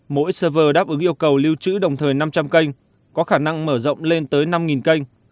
mỗi server đáp ứng yêu cầu lưu trữ đồng thời năm trăm linh kênh có khả năng mở rộng lên tới năm kênh